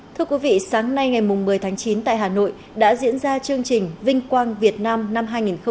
thưa quý vị sáng nay ngày một mươi tháng chín tại hà nội đã diễn ra chương trình vinh quang việt nam năm hai nghìn hai mươi